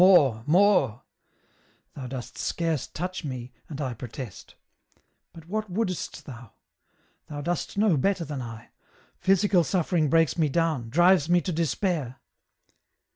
More, more !— Thou dost scarce touch me, and I protest ; but what wouldest Thou ? Thou dost know better than I ; physical suffering breaks me down, drives me to despair."